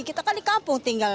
kita kan di kampung tinggal